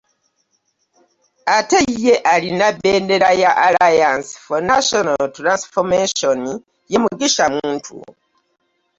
Ate ye alina bbendera ya Alliance for National Transformation ye Mugisha Muntu